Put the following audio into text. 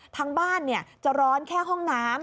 ทั้งบ้านจะร้อนแค่ห้องน้ำ